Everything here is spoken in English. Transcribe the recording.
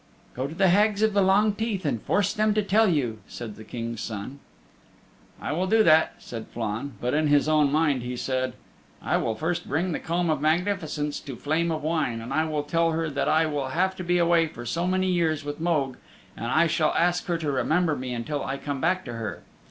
"Go to the Hags of the Long Teeth and force them to tell you," said the King's Son. "I will do that," said Flann, but in his own mind he said, "I will first bring the Comb of Magnificence to Flame of Wine, and I will tell her that I will have to be away for so many years with Mogue and I shall ask her to remember me until I come back to her.